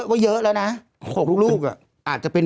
โทษทีน้องโทษทีน้อง